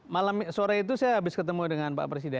malam sore itu saya habis ketemu dengan pak presiden